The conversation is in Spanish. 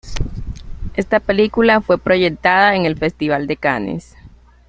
Esta película fue proyectada en el Festival de Cannes.